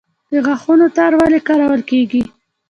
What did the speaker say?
د غاښونو تار ولې کارول کیږي؟